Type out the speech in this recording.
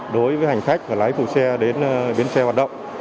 đối với hành khách và lái phụ xe đến bến xe hoạt động